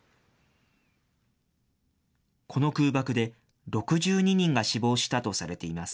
この空爆で６２人が死亡したとされています。